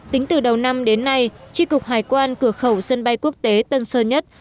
tính từ đầu năm đến nay tri cục hải quan cửa khẩu sân bay quốc tế tân sơn nhất